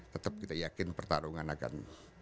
tetap kita yakin pertarungan akan